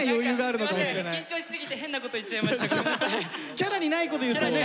キャラにないこと言ったね